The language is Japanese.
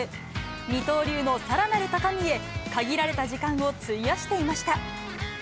二刀流のさらなる高みへ、限られた時間を費やしていました。